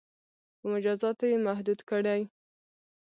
• په مجازاتو یې محدود کړئ.